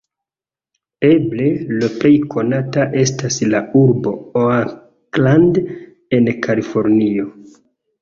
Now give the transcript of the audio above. Eble le plej konata estas la urbo Oakland en Kalifornio.